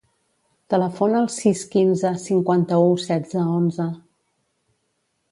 Telefona al sis, quinze, cinquanta-u, setze, onze.